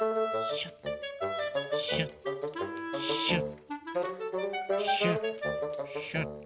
シュッシュッシュッシュッ。